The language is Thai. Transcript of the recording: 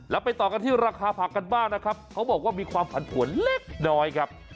แล้วไปต่อกันที่ราคาผักกันบ้างนะครับเขาบอกว่ามีความผันผวนเล็กน้อยครับ